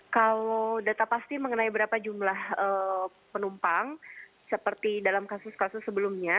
kalau data pasti mengenai berapa jumlah penumpang seperti dalam kasus kasus sebelumnya